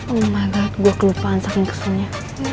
oh my god gue kelupaan saking kesulnya